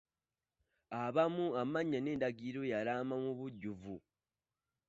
Mubaamu amannya n'endagiriro y'alaama mu bujjuvu.